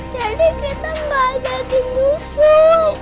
jadi kita gak jadi musuh